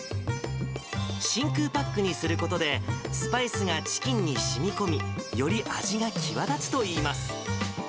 真空パックにすることで、スパイスがチキンにしみこみ、より味が際立つといいます。